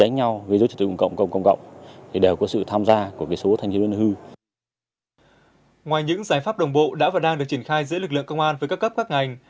ngoài những giải pháp đồng bộ đã và đang được triển khai giữa lực lượng công an với các cấp các ngành